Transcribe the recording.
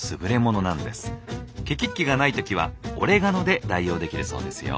ケキッキがない時はオレガノで代用できるそうですよ。